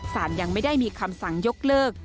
สารยังไม่ได้มีคำสั่งยกเลิก